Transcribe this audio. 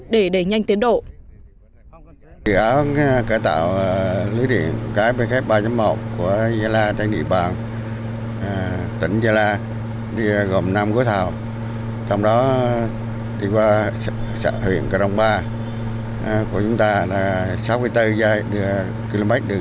để đẩy nhanh tiến độ